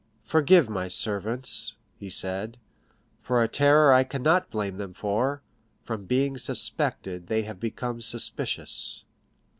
"Forgive my servants," he said, "for a terror I cannot blame them for; from being suspected they have become suspicious."